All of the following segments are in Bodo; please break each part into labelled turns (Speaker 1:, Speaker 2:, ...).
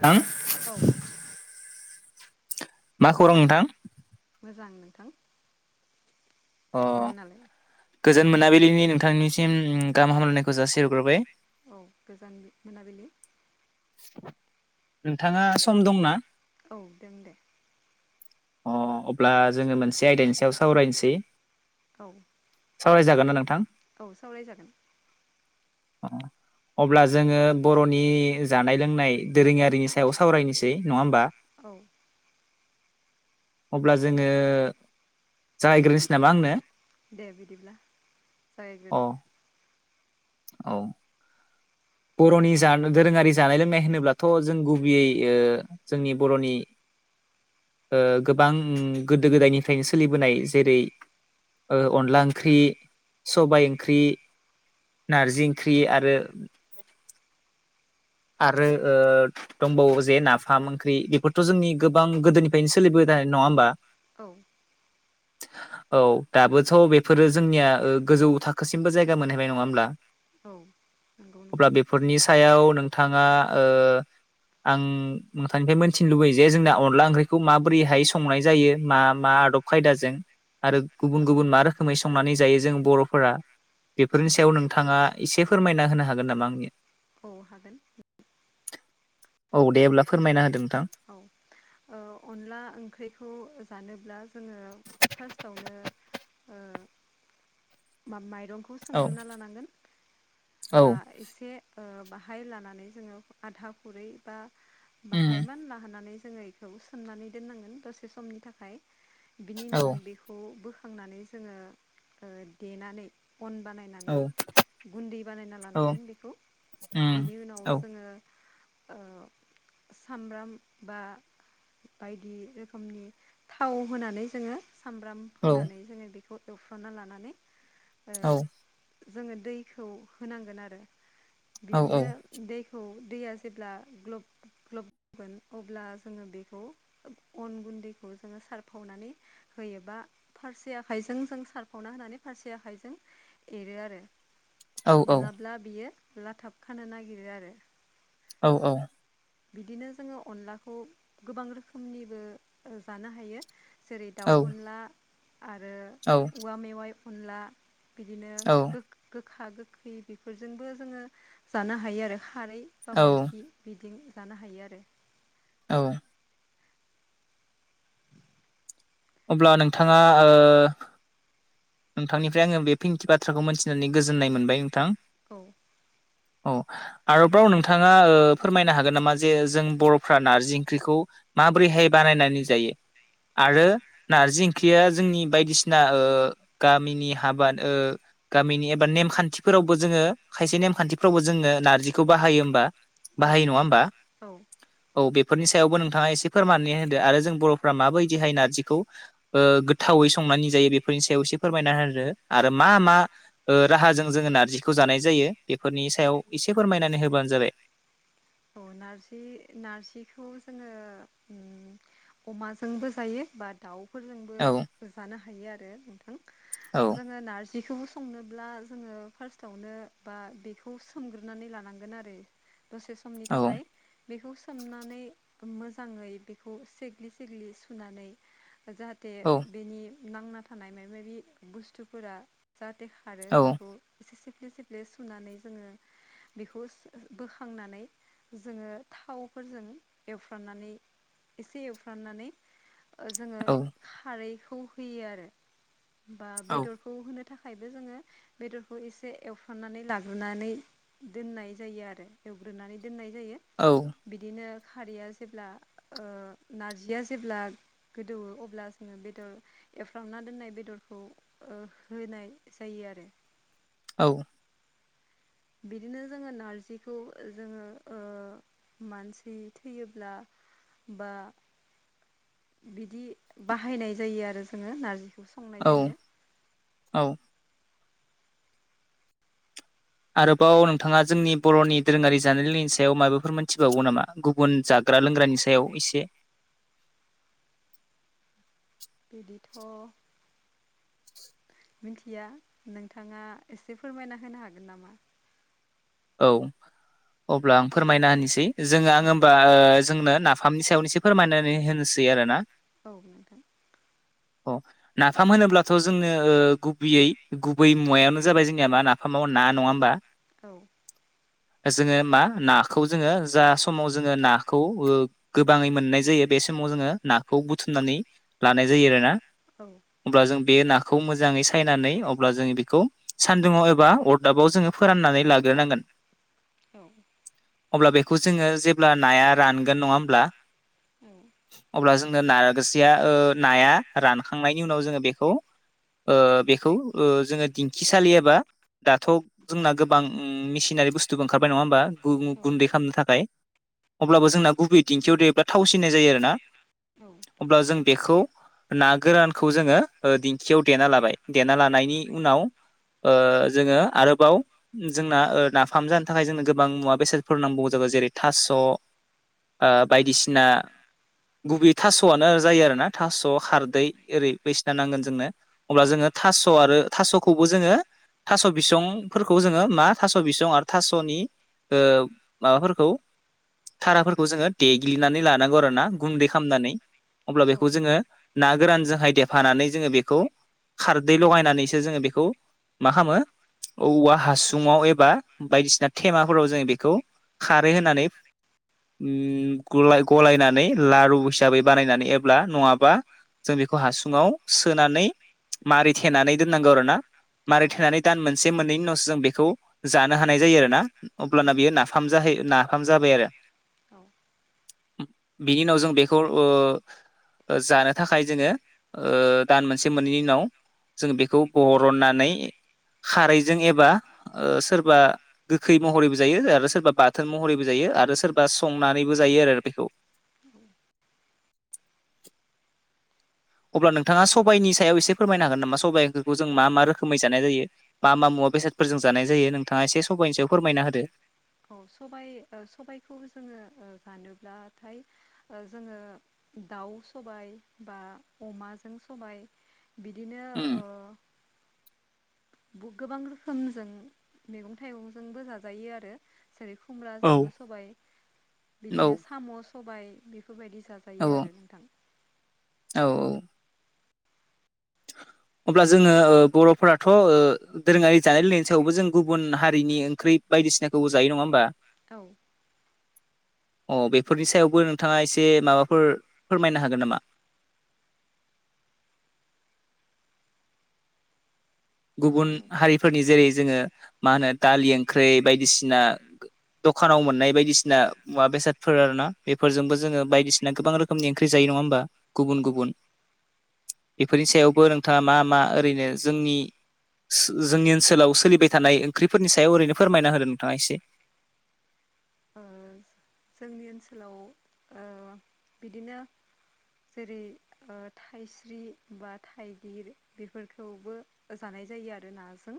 Speaker 1: थां
Speaker 2: औ
Speaker 1: मा खौरां नोंथां?
Speaker 2: मोजां नोंथां
Speaker 1: अ
Speaker 2: नोंनालाय
Speaker 1: गोजोन मोनाबिलिनि नोंथांनिसिम गाहाम हामलायनायखौ जासि हरग्रोबाय
Speaker 2: औ गोजोन मोनाबिलि
Speaker 1: नोंथाङा सम दंना
Speaker 2: औ दं दे
Speaker 1: अ अब्ला जोङो मोनसे आयदानि सायाव सावरायनोसै
Speaker 2: औ
Speaker 1: सावरायजागोन ना नोंथां
Speaker 2: औ सावरायजागोन
Speaker 1: [inaudible] अब्ला जोङो बर'नि जानाय लोंनाय दोरोङारिनि सायाव सावरायनोसै नङा होमबा नों
Speaker 2: औ
Speaker 1: अब्ला जोङो जागायग्रोनोसै नामा आंनो
Speaker 2: दे बिदिब्ला
Speaker 1: अ
Speaker 2: जागायग्रोदो
Speaker 1: औ बर'नि जानो दोरोङारि जानाय लोंनाय होनोब्लाथ' जों गुबैयै ओ जोंनि बर'नि ओ गोबां गोदो गोदायनिफ्रायनो सोलिबोनाय जेरै- ओ अनला ओंख्रि सबाय ओंख्रि नारजि ओंख्रि आरो आरो ओ दंबावो जे नाफाम ओंख्रि बेफोरथ' जोंनि गोबां गोदोनिफ्रायनो सोलिबोनाय नङा होमबा
Speaker 2: औ
Speaker 1: औ दाबोथ' बेफोरो जोंनिया ओ गोजौ थाखोसिमबो जायगा मोनहैबाय नङा होमब्ला
Speaker 2: औ नंगौ
Speaker 1: अब्ला
Speaker 2: नोंथां
Speaker 1: बेफोरनि सायाव नोंथाङा ओ आं नोंथांनिफ्राय मोनथिनो लुबैयो जे जोंना अनला ओंख्रिखौ माबोरैहाय संनाय जायो मा मा आदब खायदाजों आरो गुबुन गुबुन मा रोखोमै संनानै जायो जों बर'फोरा बेफोरनि सायाव नोंथाङा एसे फोरमायना होनो हागोन नामा आंनि
Speaker 2: औ हागोन
Speaker 1: औ दे होमब्ला फोरमायना होदो नोंथां
Speaker 2: औ ओ अनला ओंख्रिखौ जानोब्ला जोङो फार्स्टआवनो मा-माइरंखौ
Speaker 1: औ
Speaker 2: सोमग्रोना लानांगोन
Speaker 1: औ
Speaker 2: बा एसे ओ बाहाय लानानै जोङो आधा खुरै बा
Speaker 1: उम
Speaker 2: बाहायमान लानानै जोङो ए खौ सोमनानै दोननांगोन दसे समनि थाखाय बिनि
Speaker 1: औ
Speaker 2: उनाव बेखौ खौ बोखांनानै जोङो ओ देनानै अन बानाय
Speaker 1: औ
Speaker 2: माने गुन्दै बानायना
Speaker 1: औ
Speaker 2: लानांगोन बेखौ
Speaker 1: उम
Speaker 2: बेनि उनाव
Speaker 1: औ
Speaker 2: जोङो ओ सामब्राम बा बायदि रोखोमनि थाव होनानै जोङो सामब्राम
Speaker 1: औ
Speaker 2: होनानै जोङो बे खौ एवफ्रामना लानानै ओ जोङो दैखौ होनांगोन आरो
Speaker 1: औ औ
Speaker 2: बिदिनो दैखौ दैया जेब्ला ग्लब ग्लबगोन अब्ला जोङो बेखौ ओब अन गुन्दैखौ जोङो सारफावनानै होयोबा फारसे आखाइजों जों सारफावना होनानै फारसे आखाइजों एरो आरो
Speaker 1: औ औ
Speaker 2: नोङाब्ला बियो लाथाब खानो नागिरो आरो
Speaker 1: औ औ
Speaker 2: बिदिनो जोङो अनलाखौ गोबां रोखोमनिबो ओ जानो हायो जेरै दाउ अनला आरो
Speaker 1: औ
Speaker 2: औवा मेवाइ अनला बिदिनो
Speaker 1: औ
Speaker 2: गो गोखा गोखै बेफोरजोंबो जोङो जानो हायो आरो खारै बा
Speaker 1: औ
Speaker 2: मैखि बिद जानो हायो आरो
Speaker 1: औ अब्ला नोंथाङा ओ नोंथांनिफ्राय आङो बे खिनि बा थ्राखौ मोनथिनानै गोजोननाय मोनबाय नोंथां
Speaker 2: औ
Speaker 1: औ आरोबाव नोंथाङा ओ फोरमायनो हागोन नामा जे जों बर'फ्रा नारजि ओंख्रिखौ माबोरैहाय बानायनानै जायो आरो नारजि ओंख्रिया जोंनि बायदिसिना ओ गामिनि हाबा ओ गामिनि एबा नेमखान्थिफोरावबो जोङो खायसे नेमखान्थिफ्रावबो जोङो नारजि खौ बाहायो होमबा
Speaker 2: औ
Speaker 1: बाहायो नङा होमबा।
Speaker 2: औ
Speaker 1: औ बेफोरनि सायावबो नोंथाङा एसे फोरमनानै होदो आरो जों बर'फ्रा माबायदिहाय नारजिखौ ओ गोथावै संनानै जायो बेफोरनि सायाव एसे फोरमायना होदो आरो मा मा ओ राहाजों जोङो नारजिखौ जानाय जायो बेफोरनि सायाव एसे फोरमायनानै होबानो जाबाय।
Speaker 2: औ नारजि नारजिखौ जोङो ओम अमाजोंबो जायो बाट
Speaker 1: औ
Speaker 2: दाउफोरजोंबो जानो हायो आरो नोंथां
Speaker 1: औ
Speaker 2: जोङो नारजिखौ संनोब्ला जोङो फार्स्टआवनो बा बेखौ सोमग्रोनानै लानांगोन आरो। दसे समनि
Speaker 1: औ
Speaker 2: थाखाय बेखौ सोमनानै मोजाङै बेखौ सेग्लि सेग्लि सुनानै जाहा थे
Speaker 1: औ
Speaker 2: बेनि नांना थानाय माबि माबि बुस्थुफोरा जाहाथे खारो
Speaker 1: औ
Speaker 2: बेखौ एसे सिफ्ले सिफ्ले सुनानै जोङो बेखौ बोखांनानै जोङो थावफोरजों एवफ्राननानै एसे एवफ्राननानै ओ जोङो
Speaker 1: औ
Speaker 2: खारैखौ होयो आरो बा बेदर खौ होनो थाखायबो जोङो बेदरखौ एसे एवफ्रामनानै लाग्रोनानै दोननाय जायो आरो एवग्रोनानै दोननाय जायो।
Speaker 1: औ
Speaker 2: बिदिनो खारैया जेब्ला नारजिया जेब्ला गोदौवो अब्ला जोङो बेदर एफ्राव ना दोननाय बेदरखौ ओ होनाय जायो आरो।
Speaker 1: औ
Speaker 2: बिदिनो जोङो नारजिखौ जोङो ओ मानसि थैयोब्ला बा बिदि बाहायनाय जायो आरो जोङो नारजिखौसो
Speaker 1: औ औ आरोबाव नोंथाङा जोंनि बर'नि दोरोङारि जानायनि सायाव माबाफोर मोनथिबावगौ नामा? गुबुन जाग्रा लोंग्रानि सायाव एसे
Speaker 2: बिदिथ' मिथिया नोंथाङा एसे फोरमायना होनो हागोन नामा?
Speaker 1: औ अब्ला आं फोरमायना होनोसै जोङो
Speaker 2: औ
Speaker 1: आं होमबा ओ जोंनो नाफामनि सायावनो एसे फोरमायनानै होनोसै आरो ना।
Speaker 2: औ नोंथां
Speaker 1: अ नाफाम होनोब्लाथ' जोंनो ओ गुबैयै गुबै मुवायावनो जाबाय जोंनिया मा नाफामाव ना नङा होमबा।
Speaker 2: औ
Speaker 1: जोङो मा नाखौ जोङो जा समाव जोङो नाखौ ओ गोबाङै मोननाय जायो बे समाव जोङो नाखौ बुथुमनानै लानाय जायो आरोना।
Speaker 2: औ
Speaker 1: अब्ला जों बे नाखौ मोजाङै सायनानै अब्ला जों बेखौ सानदुुंवाव एबा अरदाबाव जोङो फोराननानै लाग्रोनांगोन।
Speaker 2: औ
Speaker 1: अब्ला बेखौ जोङो जेब्ला नाया रानगोन नङा होमब्ला
Speaker 2: औ
Speaker 1: अब्ला जोङो नारसिया नाया रानखांनायनि उनाव जोङो बेखौ ओ बेखौ ओ जोङो दिंखिसालि एबा दाथ' जोंना गोबां म मिसिनारि बुस्थुबो ओंखारबाय नङा होमबा
Speaker 2: औ
Speaker 1: गु-गुन्दै खालामनो थाखाय अब्लाबो जोंना गुबै दिंखियाव देरब्ला थावसिनाय जायो आरोना।
Speaker 2: औ
Speaker 1: अब्ला जों बेखौ ना गोरानखौ जोङो दिंखियाव देना लाबाय देना लानायनि उनाव जोङो आरोबाव जोंना नाफाम जानो थाखाय जोंनो गोबां मुवा बेसादफोर नांगौ जाबाय जेरै थास' बायदिसिना गुबै थास'आनो जायो आरोना थास' खारदै ओरै बैसिना नांगोन जोंनो। अब्ला जोङो थास' आरो थास'खौबो जोङो थास' बिसंफोरखौ खौ जोङो मा थास' बिसं आरो थास'नि माबाफोरखौ थाराफोरखौ जोङो देग्लिनानै लानांगौ आरोना गुन्दै खालामनानै। अब्ला
Speaker 2: औ
Speaker 1: बेखौ जोङो ना गोरानजोंहाय देफानानै जोङो बेखौ खारदै लगायनानैसो जोङो बेखौ मा खालामो औवा हासुङाव एबा बायदिसिना थेमाफोराव जों बेखौ खारै होनानै उ गलाय गलायनानै लारु हिसाबै बानायनानै एब्ला नङाबा जों बेखौ हासुङाव सोनानै मारि थेनानै दोननांगौ आरोना। मारि थेनानै दान मोनसे मोननैनिन' जों बेखौ जानो हानाय जायो आरो ना अब्लाना बियो नाफाम जाहैयो नाफाम जाबाय आरो।
Speaker 2: औ।
Speaker 1: बिनि उनाव जों बेखौ जानो थाखाय जोङो दान मोनसे मोननैनि उनाव जों बेखौ बरहननानै खारैजों एबा सोरबा गोखै महरैबो जायो आरो सोरबा बाथोन महरैबो जायो आरो सोरबा संनानैबो जायो आरो बेखौ।
Speaker 2: औ।
Speaker 1: अब्ला नोंथाङा सबाइनि सायाव एसे फोरमायनो हागोन नामा सबाइफोरखौ जों मा मा रोखोमै जानाय जायो। मा मा मुवा बेसादफोरजों जानाय जायो नोंथाङा एसे सबाइनिसायाव फोरमायना होदो।
Speaker 2: औ सब सबायखौ जोङो जानोब्लाथाय जोङो दाउ सबाय बा अमाजों सबाय बिदिनो
Speaker 1: उम
Speaker 2: गोबां रोखोमजों मैगं थाइगंजोंबो जाजायो आरो‌। जेरै
Speaker 1: औ
Speaker 2: खुमब्राजोंबो सबाय
Speaker 1: औ
Speaker 2: बिदिनो साम' सबाय बेफोरबायदि
Speaker 1: औ
Speaker 2: जाजायो आरो नोंथां।
Speaker 1: औ औ। अब्ला जोङो बर'फोराथ' दोरोङारि जानाय लोंनायनि सायावबो जों गुबुन हारिनि ओंख्रि बायदिसिनाखौबो जायो नङा होमबा।
Speaker 2: औ।
Speaker 1: अ बेफोरनि सायावबो नोंथाङा एसे माबाफोर फोरमायनो हागोन नामा?
Speaker 2: औ
Speaker 1: गुबुन हारिफोरनि जेरै जोङो मा होनो दालि ओंख्रि बायदिसिना दखानाव मोननाय बायदिसिना मुवा बेसादफोर आर ना बेफोरजोंबो जोङो बायदिसिना गोबां रोखोमनि ओंख्रि जायो नङा होमबा। गुबुन
Speaker 2: औ
Speaker 1: गुबुन बेफोरनि सायावबो नोंथाङा मा मा ओरैनो जोंनि जोंनि ओनसोलाव सोलिबाय थानाय ओंख्रिफोरनि सायाव ओरैनो फोरमायना होदों नोंथाङा एसे।
Speaker 2: ओ जोंनि ओनसोलाव बिदिनो जेरै थाइस्रि बा थाइगिर बेफोरखौबो जानाय जायो आरो नाजों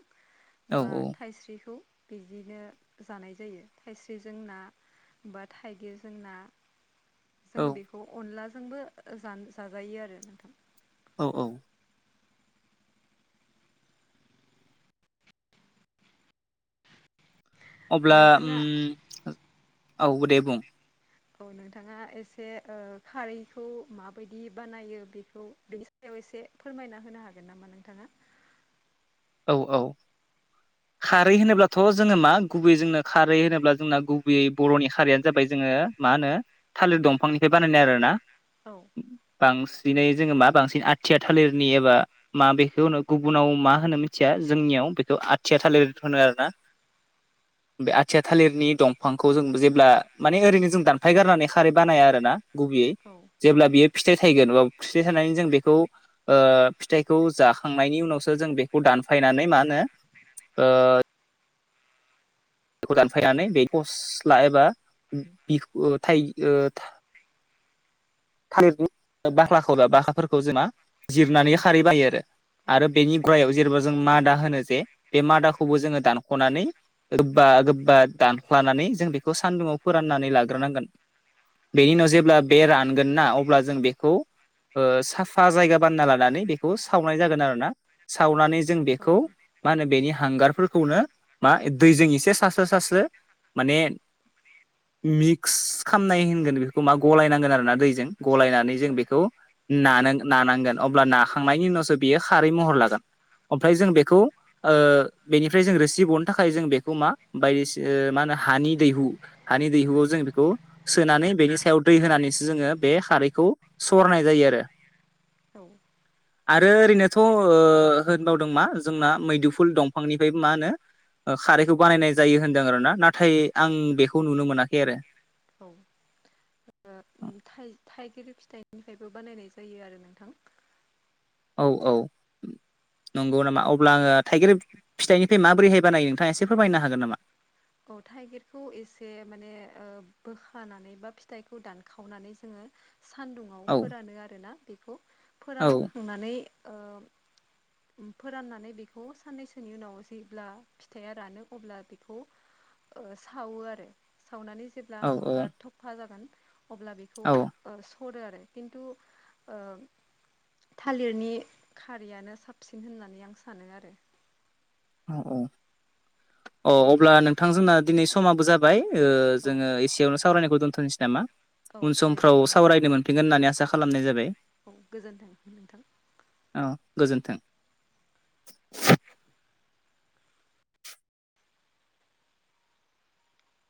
Speaker 1: औ
Speaker 2: बा थाइस्रिखौ बिदिनो जानाय जायो थाइस्रिजों ना, बा थाइगिरजों ना जोङो
Speaker 1: औ
Speaker 2: बेखौ अनलाजोंबो जाजायो आरो नोंथां।
Speaker 1: औ औ। अब्ला
Speaker 2: नोंथाङा
Speaker 1: औ दे बुं
Speaker 2: औ नोंथाङा एसे खारैखौ माबायदि बानायो बेखौ बेयाव एसे फोरमायना होनो हागोन नामा नोंथाङा?
Speaker 1: औ औ खारै होनोब्लाथ' जोङो मा गुबै जोंनो खारै होनोब्ला जोंना गुबैयै बर'नि खारियानो जाबाय जोङो मा होनो थालिर दंफांनिफ्राय बानायनाय आरो ना।
Speaker 2: औ
Speaker 1: बांसिनै जोङो मा बांसिन आथिया थालिरनि एबा मा बेखौ होनो गुबुनाव मा होनो मिथिया, जोंनियाव बेखौ आथिया थालिर होनो आरोना। [inaudible] बे आथिया थालिरनि दंफांखौ जों जेब्ला माने ओरैनो जों दानफाय गारनानै खारै बानाया आरोना गुबैयै।
Speaker 2: औ
Speaker 1: जेब्ला बियो फिथाइ थायगोन एबा फिथाइ थानानै जों बेखौ ओ फिथाइखौ जाखांनायनि उनावसो जों बेखौ दानफायनानै मा होनो ओ बेखौ दानफायनानै बेखौ सिथला एबा बिखौ थाइ था थालिरनि बाख्लाखौ बा बाखखाफोरखौ जोंना जिरनानै खारै बानायो आरो। आरो बेनि गुयाव जेनेबा जों मादा होनो जे बे मादाखौबो जोङो दानख'नानै गोबा गोबा दानखलानानै जों बेखौ सान्दुङाव फोराननानै लाग्रोनांगोन। बेनि उनाव जेब्ला बे रानगोन ना अब्ला जों बेखौ ओ साफा जायगा बानना लानानै बेखौ सावनाय जागोन आरो ना। सावनानै जों बेखौ
Speaker 2: थाइगिर
Speaker 1: मा होनो बेनि हांगारफोरखौनो मा दैजों एसे सास्रो सास्रो माने मिक्स खालामनाय होनगोन बेखौ मा गलायनांगोन आरोना दैजों गलायनानै जों बेखौ नान नानांगोन अब्ला नाखांनायनि उनावसो बियो खारै महर लागोन ओमफ्राय जों बेखौ ओ बेनिफ्राय जों रोसि बहननो थाखाय जों बेखौ मा बायदिसिना मा होनो हानि दैहु हानि दैहुआव जों बेखौ सोनानै बेनि सायाव दै होनानैसो जोङो बे खारैखौ सरनाय जायो आरो।
Speaker 2: औ
Speaker 1: [inaudible] आरो ओरैनोथ' ओ होनबावदों मा जोंना मैदुफुल दंफांनिफ्रायबो मा होनो ओ खारैखौ बानायनाय जायो होनदों आर ना नाथाय आं बेखौ नुनो मोनाखै आरो।
Speaker 2: औ थाइ थाइगिर फिथाइनिफ्रायबो बानायनाय जायो आरो नोंथां।
Speaker 1: औ औ नंगौ नामा। अब्ला आङो थाइगेर फिथाइनिफ्राय माबोरैहाय बानायो नोंथाङा एसे फोरमायनो हागोन नामा?
Speaker 2: औ थाइगिरखौ एसे माने ओ बोखानानै बा फिथाइखौ दानखावनानै जोङो सानदुङाव
Speaker 1: औ
Speaker 2: फोरानो आरोना बेखौ
Speaker 1: औ
Speaker 2: फोरानखांनानै ओ उम‌ फोराननानै बेखौ साननैसोनि उनाव जेब्ला फिथाइया रानो अब्ला बेखौ ओ सावो आरो सावनानै जेब्ला
Speaker 1: औ
Speaker 2: हांगार थफा जागोन अब्ला बेखौ
Speaker 1: औ
Speaker 2: ओ स'रो आरो खिन्थु ओ थालिरनि खारियानो साबसिन होननानै आं सानो आरो।
Speaker 1: औ औ औ,
Speaker 2: बिदि
Speaker 1: अब्ला नोंथां जोंना दिनै समाबो जाबाय। ओ
Speaker 2: औ
Speaker 1: जोङो एसेयावनो सावरायनायखौ दोन्थ'नोसै नामा?
Speaker 2: औ
Speaker 1: उन
Speaker 2: दे
Speaker 1: समफ्राव
Speaker 2: बिदिब्ला
Speaker 1: सावरायनो मोनफिनगोन होननानै आसा खालामनाय जाबाय।
Speaker 2: औ गोजोन्थों नोंथां।
Speaker 1: औ गोजोन्थों।